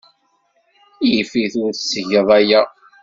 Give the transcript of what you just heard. Yif-it ur tettgeḍ aya!